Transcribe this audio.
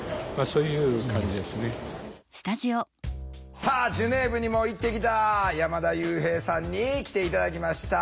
さあジュネーブにも行ってきた山田悠平さんに来て頂きました。